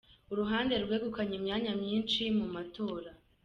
Uruhande rwegukanye imyanya myinshi mu matora